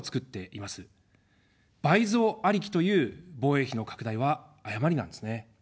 倍増ありきという防衛費の拡大は誤りなんですね。